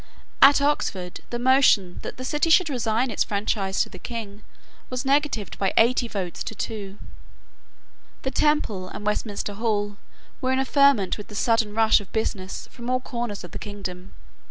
At Oxford the motion that the city should resign its franchises to the King was negatived by eighty votes to two. The Temple and Westminster Hall were in a ferment with the sudden rush of business from all corners of the kingdom.